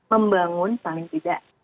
membangun paling tidak